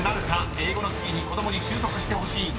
［英語の次に子供に習得してほしい外国語］